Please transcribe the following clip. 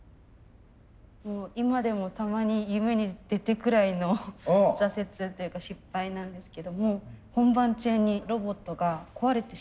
今でもたまに夢に出るくらいの挫折っていうか失敗なんですけども本番中にロボットが壊れてしまって。